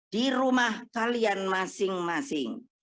di rumah kalian masing masing